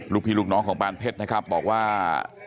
พี่ลูกน้องของปานเพชรนะครับบอกว่า